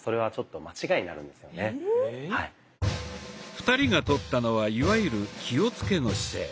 ２人がとったのはいわゆる「気をつけ」の姿勢。